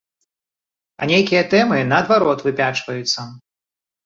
А нейкія тэмы, наадварот, выпячваюцца.